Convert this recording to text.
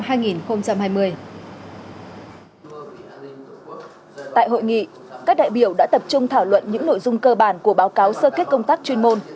tại hội nghị các đại biểu đã tập trung thảo luận những nội dung cơ bản của báo cáo sơ kết công tác chuyên môn